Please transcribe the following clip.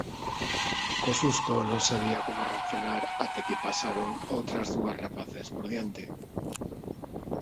Co susto non sabía como reaccionar até que pasaron outras dúas rapazas por diante.